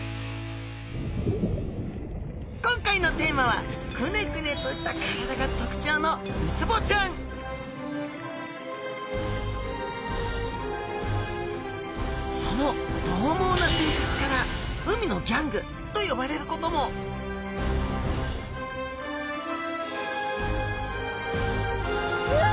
今回のテーマはくねくねとした体が特徴のウツボちゃんそのどう猛な性格から海のギャングと呼ばれることもうわ！